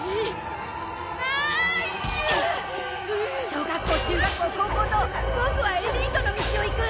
小学校中学校高校とボクはエリートの道を行く！